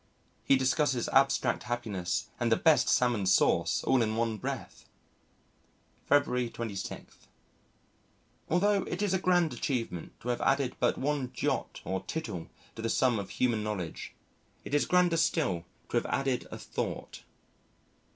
He discusses abstract happiness and the best salmon sauce all in one breath. February 26. Although it is a grand achievement to have added but one jot or tittle to the sum of human knowledge it is grander still to have added a thought.